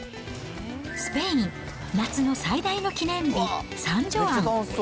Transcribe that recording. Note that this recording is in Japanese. スペイン、夏の最大の記念日、サンジョアン。